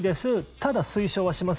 ただ、推奨はします